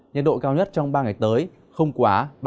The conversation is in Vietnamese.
nhiệt độ cao nhất trong ba ngày tới không quá ba mươi một độ